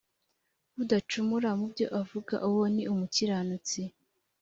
udacumura mu byo avuga uwo ni umukiranutsi